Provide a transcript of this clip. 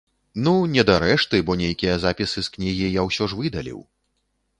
Ну, не дарэшты, бо нейкія запісы з кнігі я ўсё ж выдаліў.